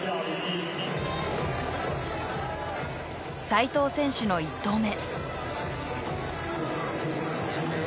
齋藤選手の１投目。